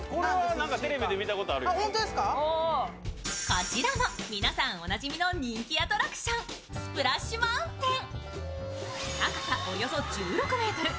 こちらも皆さんおなじみの人気アトラクションスプラッシュ・マウンテン。